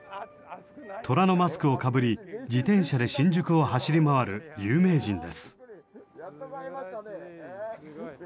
トラのマスクをかぶり自転車で新宿を走り回る有名人です。